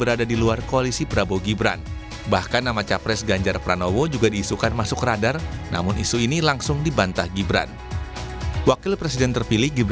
kalau penawarannya saya nggak tahu setahu saya nggak ada penawaran seperti itu